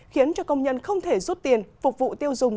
khiến cho công nhân không thể rút tiền phục vụ tiêu dùng